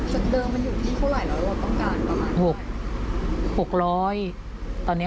สัตว์เดิมมันอยู่ที่เท่าไรหรือเราต้องการประมาณไหน